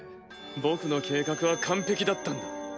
僕の計画は完璧だったんだ。